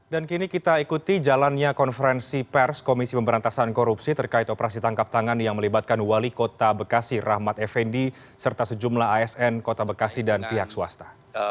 dan kini kita ikuti jalannya konferensi pers komisi pemberantasan korupsi terkait operasi tangkap tangan yang melibatkan wali kota bekasi rahmat effendi serta sejumlah asn kota bekasi dan pihak swasta